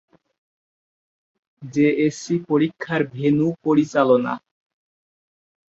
J S C পরীক্ষার venue পরিচালনা।